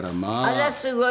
あらすごい。